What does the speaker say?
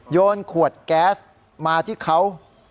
โยนขวดแก๊สมาที่เขา